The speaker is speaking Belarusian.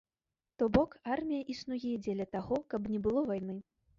То бок, армія існуе дзеля таго, каб не было вайны.